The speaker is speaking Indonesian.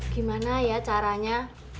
gimana ya caranya